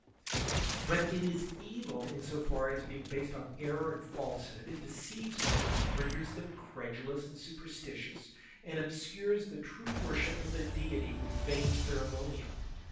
But it is evil in so far as being based on error and falsehood, it deceives men, renders them credulous and superstitious, and obscures the true worship of the Deity with vain ceremonial.